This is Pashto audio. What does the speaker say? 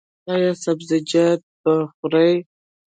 ایا سبزیجات به خورئ؟